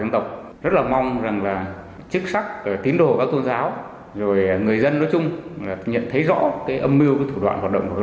trong thời gian sắp tới